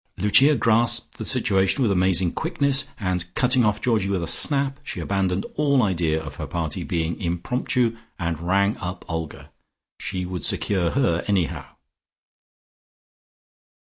Lucia grasped the situation with amazing quickness, and cutting off Georgie with a snap, she abandoned all idea of her party being impromptu, and rang up Olga. She would secure her anyhow....